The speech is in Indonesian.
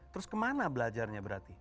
terus kemana belajarnya berarti